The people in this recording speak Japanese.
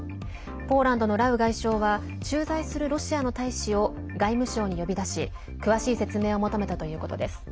ポーランドのラウ外相は駐在するロシアの大使を外務省に呼び出し、詳しい説明を求めたということです。